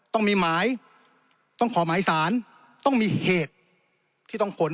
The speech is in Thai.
ต้องมีหมายต้องขอหมายสารต้องมีเหตุที่ต้องขน